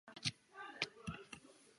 世田谷美术馆附近设有付费停车场。